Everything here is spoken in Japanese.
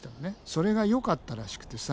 それがよかったらしくてさ。